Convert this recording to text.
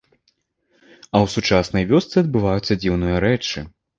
А ў сучаснай вёсцы адбываюцца дзіўныя рэчы.